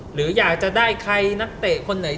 หรืออยากจะได้ใครนักเตะคนไหน